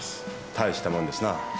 たいしたもんですな。